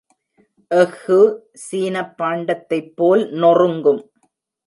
எஃகு, சீனப் பாண்டத்தைப்போல் நொறுங்கும்.